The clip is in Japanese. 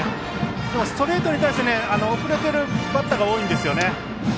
今日、ストレートに対して遅れているバッターが多いんですね。